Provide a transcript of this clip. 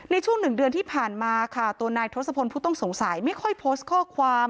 ในช่วงหนึ่งเดือนที่ผ่านมาค่ะตัวนายทศพลผู้ต้องสงสัยไม่ค่อยโพสต์ข้อความ